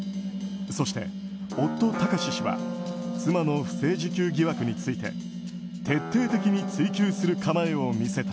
そして夫・貴志氏は妻の不正受給疑惑について徹底的に追及する構えを見せた。